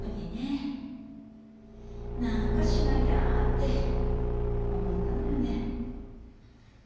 何かしなぎゃって思ったのよね。